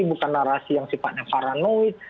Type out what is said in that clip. bukan narasi yang sifatnya paranoid